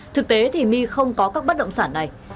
thực tế thì my không có các bất động sản này